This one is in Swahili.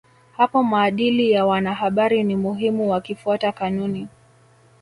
Hapo maadili ya wanahabari ni muhimu wakifuata kanuni